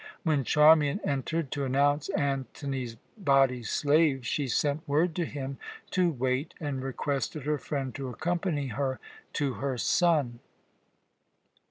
When Charmian entered to announce Antony's body slave, she sent word to him to wait, and requested her friend to accompany her to her son.